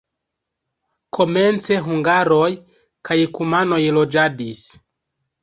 Komence hungaroj kaj kumanoj loĝadis.